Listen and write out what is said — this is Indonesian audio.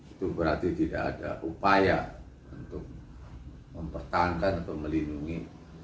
itu berarti tidak ada upaya untuk mempertahankan atau melindungi